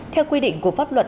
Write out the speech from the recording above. theo quy định của pháp luật